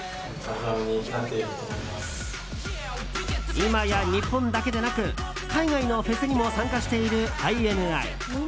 今や日本だけでなく海外のフェスにも参加しているＩＮＩ。